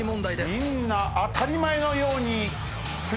みんな当たり前のように筆が。